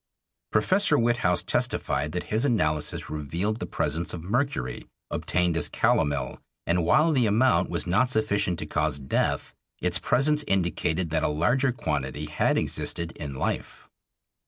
Professor Witthaus testified that his analysis revealed the presence of mercury, obtained as calomel, and while the amount was not sufficient to cause death, its presence indicated that a larger quantity had existed in life.